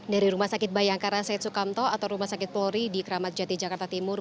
dari rumah sakit bayangkara said sukamto atau rumah sakit polri di keramat jati jakarta timur